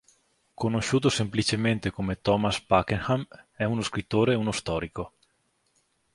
Conosciuto semplicemente come Thomas Pakenham, è uno scrittore e uno storico.